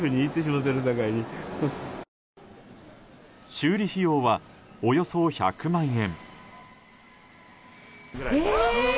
修理費用はおよそ１００万円。